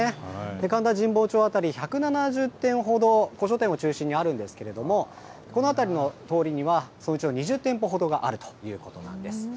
神田神保町辺り、１７０店ほど、古書店を中心にあるんですけれども、この辺りの通りには、そのうちの２０店舗ほどがあるということなんです。